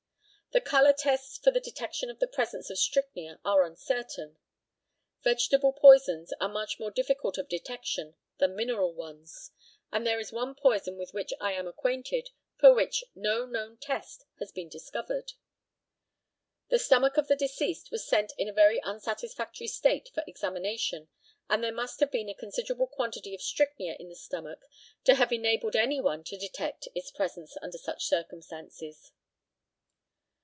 The colour tests for the detection of the presence of strychnia are uncertain. Vegetable poisons are more difficult of detection than mineral ones, and there is one poison with which I am acquainted for which no known test has been discovered. The stomach of the deceased was sent in a very unsatisfactory state for examination, and there must have been a considerable quantity of strychnia in the stomach to have enabled any one to detect its presence under such circumstances.